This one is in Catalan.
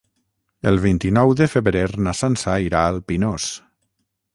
El vint-i-nou de febrer na Sança irà al Pinós.